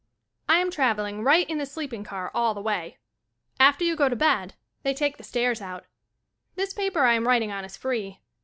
I am travelling right in the sleeping car all the way. After you go to bed they take 106 Photoplay Magazine the stairs out. This paper I am writing on is free.